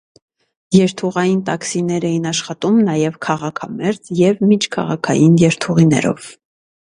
Երթուղային տաքսիներ էին աշխատում նաև քաղաքամերձ և միջքաղաքային երթուղիներով։